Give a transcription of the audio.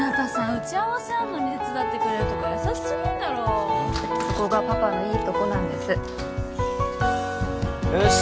打ち合わせあんのに手伝ってくれるとか優しすぎんだろそこがパパのいいとこなんですよし